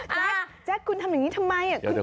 แจ๊คคุณทำอย่างนี้ทำไม